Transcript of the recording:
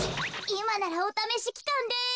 いまならおためしきかんです。